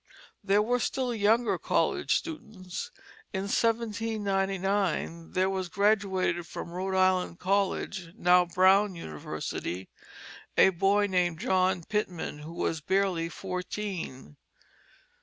There were still younger college students. In 1799 there was graduated from Rhode Island College (now Brown University) a boy named John Pitman, who was barely fourteen.